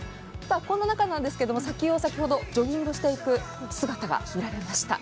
こんな中なんですが、砂丘を先ほどジョギングしていく姿が見られました。